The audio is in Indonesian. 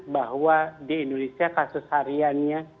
bahwa di indonesia kasus hariannya